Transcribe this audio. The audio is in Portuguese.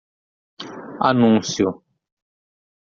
Anúncio